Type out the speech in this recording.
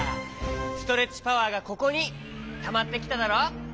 ストレッチパワーがここにたまってきただろ！